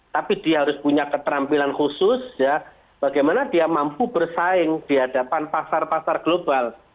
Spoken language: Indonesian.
tapi dia harus punya keterampilan khusus bagaimana dia mampu bersaing di hadapan pasar pasar global